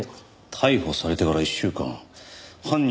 逮捕されてから１週間犯人はまだ否認を？